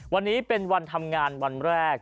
วันนี้เป็นวันทำงานวันแรก